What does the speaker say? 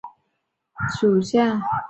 鸡仔木为茜草科鸡仔木属下的一个种。